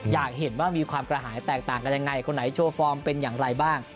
อยากเห็นว่ามีความกระหายแตกต่างกันยังไงคนไหนโชว์ฟอร์มเป็นอย่างไรบ้าง